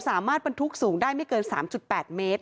สามารถบรรทุกสูงได้ไม่เกิน๓๘เมตร